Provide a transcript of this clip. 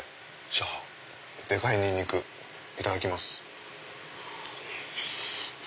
じゃあでかいニンニクいただきます。